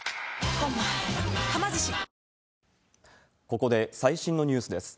ここで最新のニュースです。